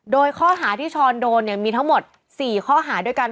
โดยข้อหาที่ช้อนโดนมีทั้งหมด๔ข้อหาด้วยกัน